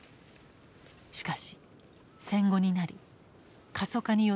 しかし戦後になり過疎化によって住職が転出。